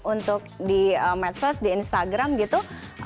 untuk di medsos di instagram gitu